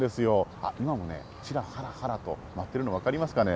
あっ、今もね、ちらはらはらと舞ってるの分かりますかね。